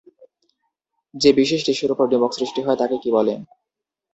যে বিশেষ টিস্যুর উপর ডিম্বক সৃষ্টি হয় তাকে কী বলে?